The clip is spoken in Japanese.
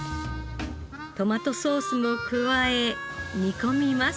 トマトソースも加え煮込みます。